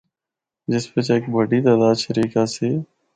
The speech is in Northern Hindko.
جس بچ ہک بڈی تعداد شریک آسی۔